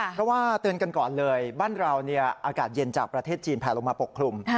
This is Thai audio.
เพราะว่าเตือนกันก่อนเลยบ้านเราอากาศเย็นจากประเทศจีนแผลลงมาปกคลุม